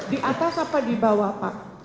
di atas apa di bawah pak